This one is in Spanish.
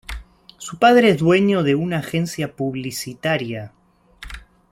Su padre es dueño de una agencia publicitaria.